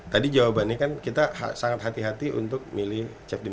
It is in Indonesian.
tadi jawabannya kan kita sangat hati hati untuk milih